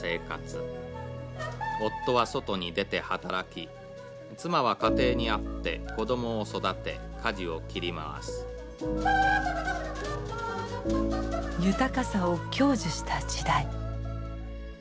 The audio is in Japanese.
夫は外に出て働き妻は家庭にあって子どもを育て家事を切り回す豊かさを享受した時代。